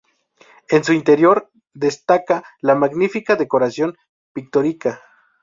En su interior destaca la magnífica decoración pictórica.